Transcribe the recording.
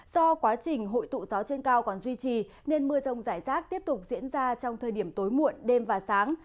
do quá trình hội tụ gió trên cao còn duy trì nên mưa rông rải rác tiếp tục diễn ra trong thời điểm tối muộn đêm và sáng